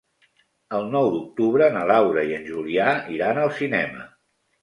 El nou d'octubre na Laura i en Julià iran al cinema.